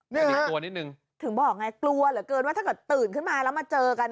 นี่กลัวนิดนึงถึงบอกไงกลัวเหลือเกินว่าถ้าเกิดตื่นขึ้นมาแล้วมาเจอกัน